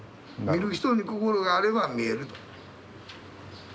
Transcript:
見る人に心があれば見えると。